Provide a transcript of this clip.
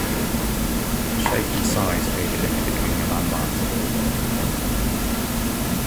The shape and size aided in it becoming a landmark to Louisburg.